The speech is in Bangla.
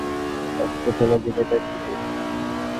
অস্ত্র ফেলে দিন - এটা সে।